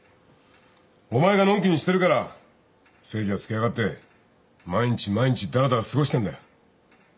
お前がのんきにしてるから誠治がつけあがって毎日毎日だらだら過ごしてんだよ。